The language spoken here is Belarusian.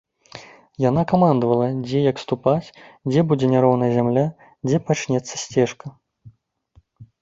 Яна камандавала, дзе як ступаць, дзе будзе няроўная зямля, дзе пачнецца сцежка.